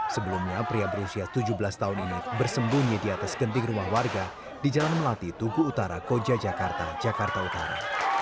sebelumnya pria berusia tujuh belas tahun ini bersembunyi di atas genting rumah warga di jalan melati tugu utara koja jakarta jakarta utara